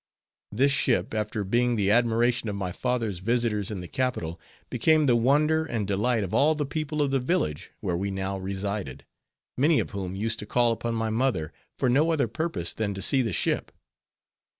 This ship, after being the admiration of my father's visitors in the capital, became the wonder and delight of all the people of the village where we now resided, many of whom used to call upon my mother, for no other purpose than to see the ship.